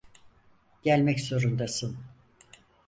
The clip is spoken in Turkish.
Gelmek zorundasın.